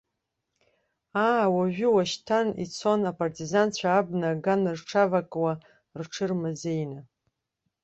Аа уажәы-ушьҭан, ицон апартизанцәа абна аган рҽавакуа, рҽырмазеины.